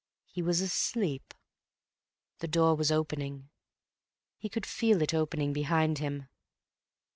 He was asleep.... The door was opening. He could feel it opening behind him....